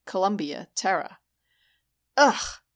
Columbia, Terra "Ugh!"